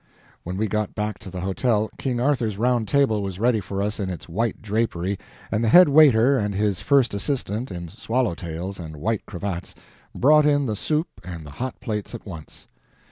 When we got back to the hotel, King Arthur's Round Table was ready for us in its white drapery, and the head waiter and his first assistant, in swallow tails and white cravats, brought in the soup and the hot plates at once.